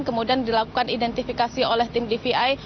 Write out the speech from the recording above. kemudian dilakukan identifikasi oleh tim dvi